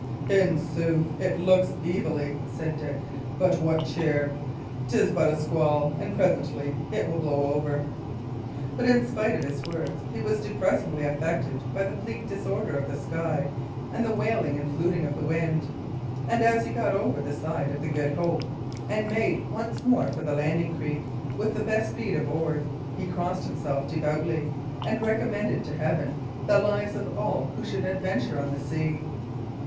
"In sooth, it looketh evilly," said Dick. "But what cheer! 'Tis but a squall, and presently it will blow over." But, in spite of his words, he was depressingly affected by the bleak disorder of the sky and the wailing and fluting of the wind; and as he got over the side of the Good Hope and made once more for the landing creek with the best speed of oars, he crossed himself devoutly, and recommended to Heaven the lives of all who should adventure on the sea.